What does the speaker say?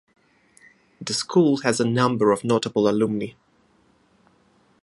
The school has a number of notable alumni.